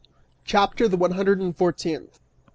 CHAPTER THE ONE HUNDRED AND FOURTEENTH.